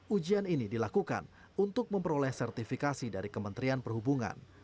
ujian ini dilakukan untuk memperoleh sertifikasi dari kementerian perhubungan